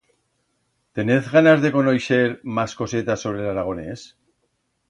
Tenez ganas de conoixer mas cosetas sobre l'aragonés?